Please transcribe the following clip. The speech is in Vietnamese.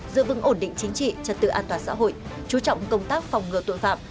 giữ vững ổn định chính trị trật tự an toàn xã hội chú trọng công tác phòng ngừa tội phạm